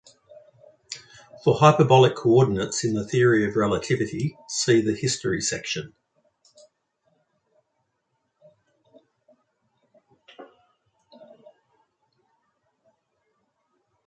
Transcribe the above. For hyperbolic coordinates in the theory of relativity see the History section.